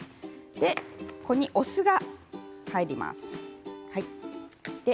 ここに、お酢が入ります。